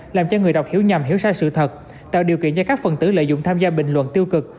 làm cho người đọc hiểu nhầm hiểu sai sự thật tạo điều kiện cho các phần tử lợi dụng tham gia bình luận tiêu cực